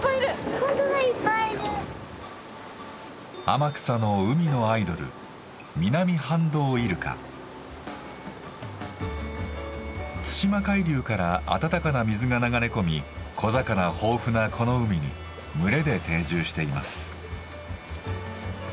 天草の海のアイドル対馬海流から暖かな水が流れ込み小魚豊富なこの海に群れで定住しています。